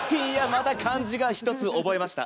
また漢字が１つ覚えました。